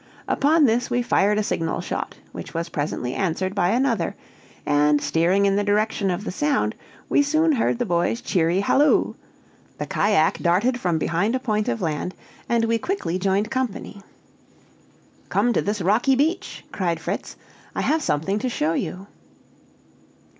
Upon this we fired a signal shot, which was presently answered by another, and, steering in the direction of the sound, we soon heard the boy's cheery halloo; the cajack darted from behind a point of land, and we quickly joined company. "Come to this rocky beach," cried Fritz, "I have something to show you."